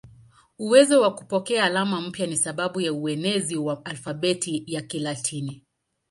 Uwezo wa kupokea alama mpya ni sababu ya uenezi wa alfabeti ya Kilatini.